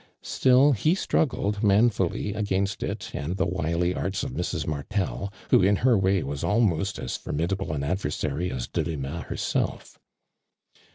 Htill ho struggled niiinfuUy again«t it and the wily artsofMfc. Mart el, who in her way was almost as formidable an adversary as Delima heiself.